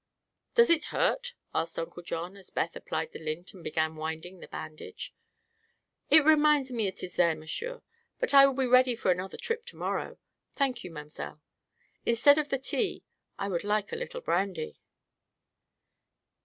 "Does it hurt?" asked Uncle John, as Beth applied the lint and began winding the bandage. "It reminds me it is there, monsieur; but I will be ready for another trip to morrow. Thank you, mamselle. Instead of the tea, I would like a little brandy."